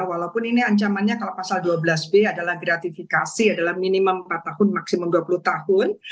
walaupun ini ancamannya kalau pasal dua belas b adalah gratifikasi adalah minimum empat tahun maksimum dua puluh tahun